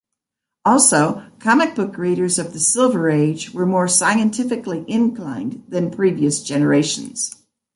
Also, comic book readers of the Silver Age were more scientifically-inclined than previous generations.